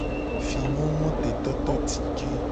Fingongotetototike.